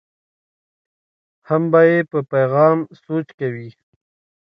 هم به یې په پیغام سوچ کوي.